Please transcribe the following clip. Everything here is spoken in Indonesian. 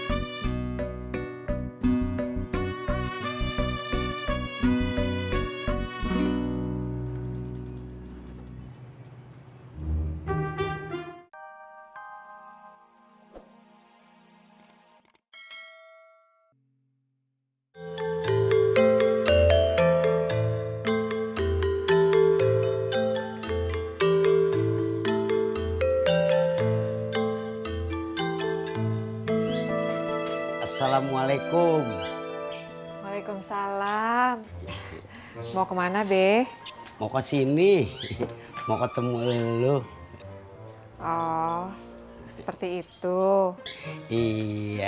assalamualaikum waalaikumsalam mau kemana beh mau kesini mau ketemu lu oh seperti itu iya